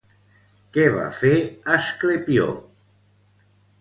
Què va fer Asclepió?